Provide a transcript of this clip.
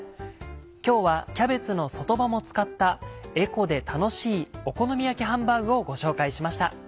今日はキャベツの外葉も使ったエコで楽しい「お好み焼きハンバーグ」をご紹介しました。